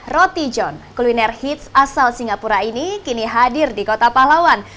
roti john kuliner hits asal singapura ini kini hadir di kota pahlawan